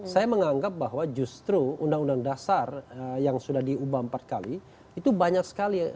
saya menganggap bahwa justru undang undang dasar yang sudah diubah empat kali itu banyak sekali